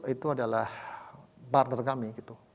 itu adalah partner kami gitu